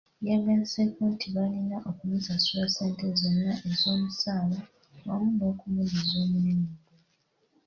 Yagaseko nti balina omusasula ssente zonna ez'omusaala wamu n'okumuddiza omulimu gwe.